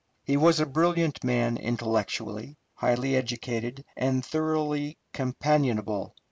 He was a brilliant man intellectually, highly educated, and thoroughly companionable.